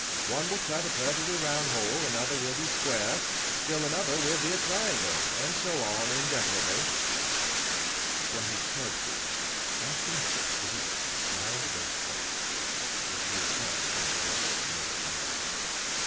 One will cut a perfectly round hole, another will be square, still another will be a triangle, and so on, indefinitely." From his card case, Ashton Kirk produced the small red particle which he had found upon the desk of the murdered man.